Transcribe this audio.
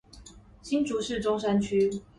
新竹市中山路